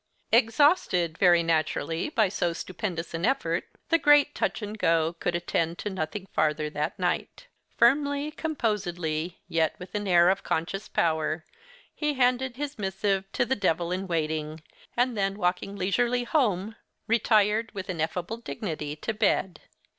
Exhausted, very naturally, by so stupendous an effort, the great Touch and go could attend to nothing farther that night. Firmly, composedly, yet with an air of conscious power, he handed his MS. to the devil in waiting, and then, walking leisurely home, retired, with ineffable dignity to bed.